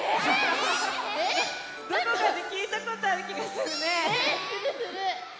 え⁉どこかできいたことあるきがするね。